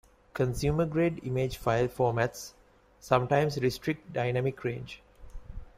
Consumer-grade image file formats sometimes restrict dynamic range.